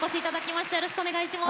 よろしくお願いします。